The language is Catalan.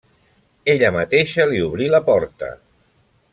Ella mateixa li obrí la porta.